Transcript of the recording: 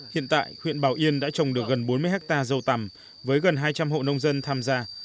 hiện tại huyện bảo yên đã trồng được gần bốn mươi hectare dâu tầm với gần hai trăm linh hộ nông dân tham gia